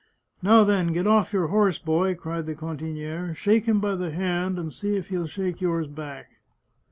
" Now, then, get off your horse, boy," cried the can tinihe, " shake him by the hand, and see if he'll shake yours back."